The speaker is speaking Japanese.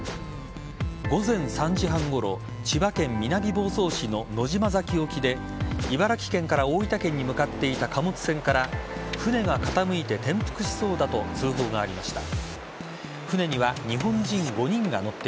午前３時半ごろ千葉県南房総市の野島崎沖で茨城県から大分県に向かっていた貨物船から船が傾いて転覆しそうだと通報がありました。